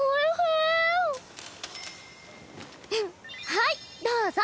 はいどうぞ。